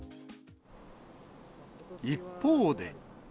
一方で。